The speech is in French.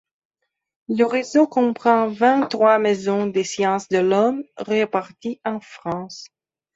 Le réseau comprend vingt-trois maisons des Sciences de l'homme, réparties en France.